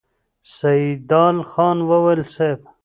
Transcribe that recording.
سيدال خان وويل: صېب!